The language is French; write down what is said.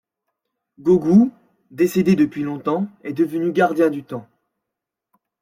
Gogoud, décédé depuis longtemps, est devenu gardien du temps.